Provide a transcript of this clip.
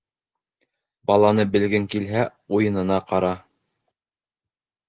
Баланы белгең килһә, уйынына ҡара.